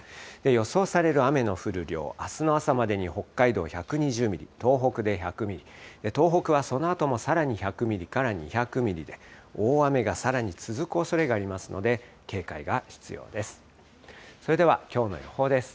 予想される雨の降る量、あすの朝までに北海道１２０ミリ、東北で１００ミリ、東北はそのあともさらに１００ミリから２００ミリで、大雨がさらに続くおそれがありますので、警戒が必要です。